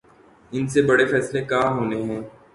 ان سے بڑے فیصلے کہاں ہونے ہیں۔